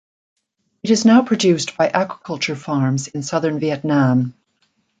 It is now produced by aquaculture farms in southern Vietnam.